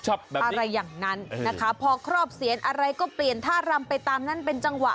อะไรอย่างนั้นนะคะพอครอบเสียนอะไรก็เปลี่ยนท่ารำไปตามนั้นเป็นจังหวะ